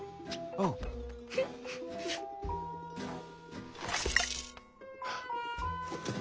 あっ。